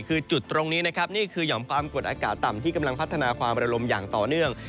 คือจุดตรงนี้นะครับนี่คือหอมความกดอากาศต่ำที่กำลังพัฒนาความระลมอย่างต่อเนื่อง